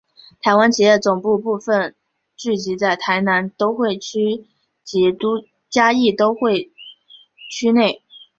台湾企业总部部份聚集在台南都会区及嘉义都会区内。